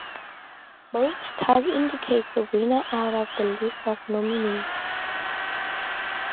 Bold type indicates the winner out of the list of nominees.